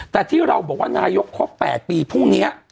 แต่ที่เราบอกว่านายกครบ๘ปีพรุ่งนี้